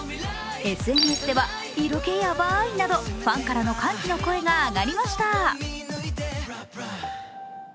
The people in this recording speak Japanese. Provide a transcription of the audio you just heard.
ＳＮＳではファンからの歓喜の声が上がりました。